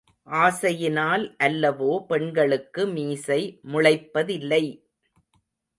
ஆசையினால் அல்லவோ பெண்களுக்கு மீசை முளைப்ப தில்லை?